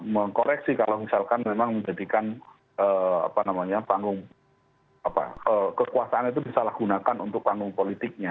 mengkoreksi kalau misalkan memang menjadikan panggung kekuasaan itu disalahgunakan untuk panggung politiknya